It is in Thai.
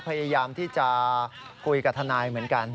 พยายามที่จะคุยกับทนายเหมือนกัน